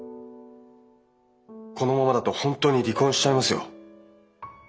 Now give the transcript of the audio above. このままだと本当に離婚しちゃいますよ。